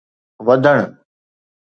وڌڻ